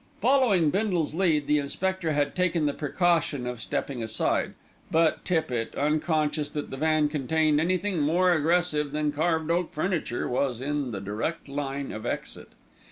Following Bindle's lead the inspector had taken the precaution of stepping aside; but Tippitt, unconscious that the van contained anything more aggressive than carved oak furniture, was in the direct line of exit.